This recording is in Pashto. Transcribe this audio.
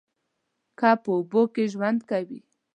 کب په اوبو کې ژوند کوي